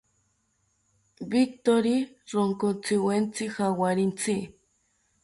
Victori ronkotziwetzi jawarintzi